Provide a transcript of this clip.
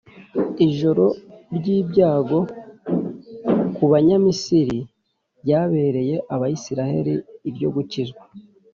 Ijoro ry’ibyago ku Banyamisiri ryabereye Abayisraheli iryo gukizwa